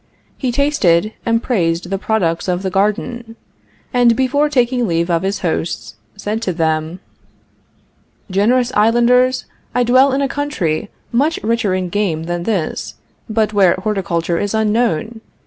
He tasted, and praised the products of the garden, and before taking leave of his hosts, said to them: "Generous Islanders, I dwell in a country much richer in game than this, but where horticulture is unknown.